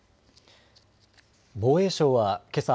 防衛省はけさ